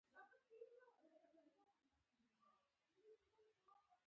دا د وسیلې په توګه ده.